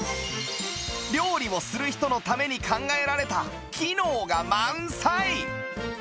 料理をする人のために考えられた機能が満載